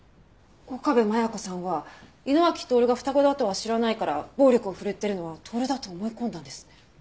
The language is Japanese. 岡部真矢子さんは井野脇透が双子だとは知らないから暴力を振るっているのは透だと思い込んだんですね。